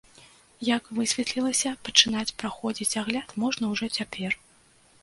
Як высветлілася, пачынаць праходзіць агляд можна ўжо цяпер.